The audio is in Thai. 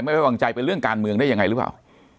ไม่ไว้วางใจไปเรื่องการเมืองได้ยังไงหรือเปล่า